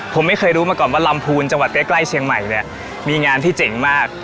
ผมไม่เคยรู้มาก่อนว่าลำพูนจังหวัดใกล้เชียงใหม่เนี่ยมีงานที่เจ๋งมาก